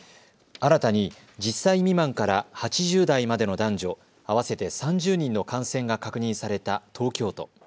新たに１０歳未満から８０代までの男女合わせて３０人の感染が確認された東京都。